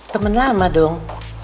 temen lama dong